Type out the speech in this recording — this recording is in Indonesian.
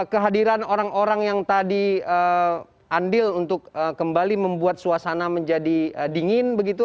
kehadiran orang orang yang tadi andil untuk kembali membuat suasana menjadi dingin begitu